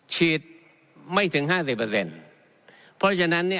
ฉีดไม่ถึงห้าสิบเปอร์เซ็นต์เพราะฉะนั้นเนี่ย